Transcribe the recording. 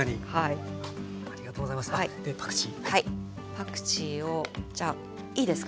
パクチーをじゃあいいですか？